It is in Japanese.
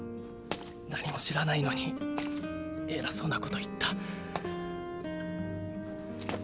何も知らないのに偉そうなこと言った。